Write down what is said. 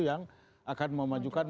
yang akan memajukan